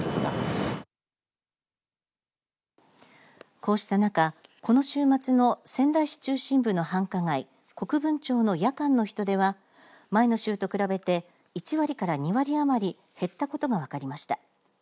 こうした中、この週末の仙台市中心部の繁華街国分町の夜間の人出は前の週と比べて１割から２割余り減ったことが分かりました。